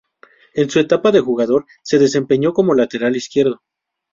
En su etapa de jugador, se desempeñó como lateral izquierdo.